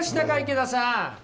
池田さん。